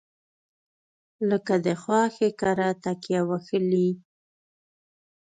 لکه د خواښې کره تکیه وهلې.